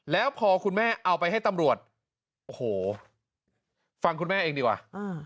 แล้วพอคุณแม่เอาไปให้ตำรวจโอ้โหฟังคุณแม่เองดีกว่า